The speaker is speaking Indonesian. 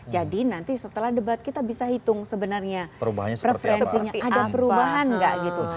jadi nanti setelah debat kita bisa hitung sebenarnya preferensinya ada perubahan nggak gitu